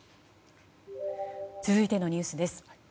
続いてのニュースです。